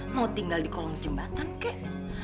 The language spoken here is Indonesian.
mau tinggal di kolong jembatan kek